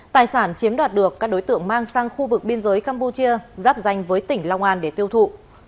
tài sản chiếm đoạt được các đối tượng mang sang khu vực biên giới campuchia giáp danh với tỉnh long an để tiêu thụ